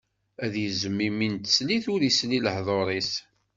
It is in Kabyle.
Ad yezzem imi n teslit, ur isel i lehḍur-is.